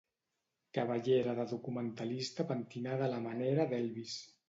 Cabellera de documentalista pentinada a la manera d'Elvis.